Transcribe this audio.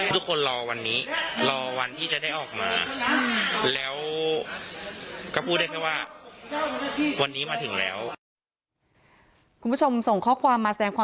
ทุกคนรอวันนี้รอวันที่จะได้ออกมา